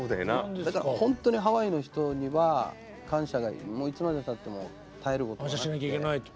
だから本当にハワイの人には感謝がいつまでたっても絶えることなくて。感謝しなきゃいけないと。